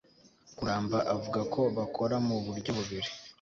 karamba avuga ko bakora mu buryo bubiri